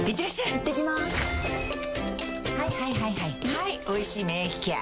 はい「おいしい免疫ケア」